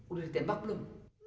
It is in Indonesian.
udah ditembak belum